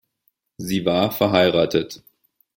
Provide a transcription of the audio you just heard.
Sie war verheiratet.